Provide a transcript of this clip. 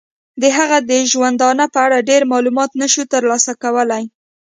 د هغه د ژوندانه په اړه ډیر معلومات نشو تر لاسه کولای.